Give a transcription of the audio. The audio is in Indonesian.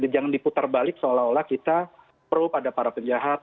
jangan diputar balik seolah olah kita pro pada para penjahat